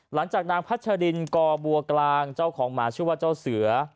หลังจากนางพัชรินกอบัวกลางเจ้าของหมาชื่อว่าเจ้าเสือ